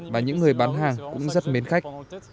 và những người bán hàng cũng rất mến khách